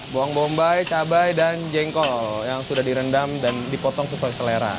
bawang bombay cabai dan jengkol yang sudah direndam dan dipotong sesuai selera